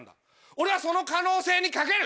俺はその可能性にかける。